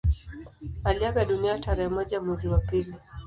Aliaga dunia tarehe moja mwezi wa pili